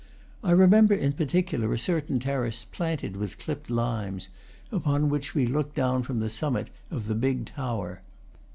I remember, in particular, a certain terrace, planted with clipped limes, upon which we looked down from the summit of the big tower.